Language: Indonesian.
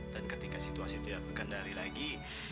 dan ketika situasi tidak berkendali lagi